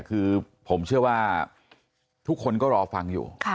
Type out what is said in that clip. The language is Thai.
คือผมเชื่อว่าทุกคนก็รอฟังอยู่